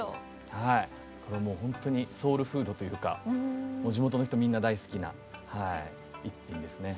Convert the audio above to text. これはもう本当にソウルフードというかもう地元の人みんな大好きな一品ですね。